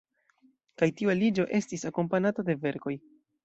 Kaj tiu aliĝo estis akompanata de verkoj.